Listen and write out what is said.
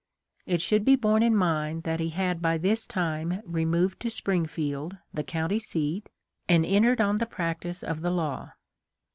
It should be borne in mind that he had by this time removed to Spring field, the county seat, and entered on the practice of the law.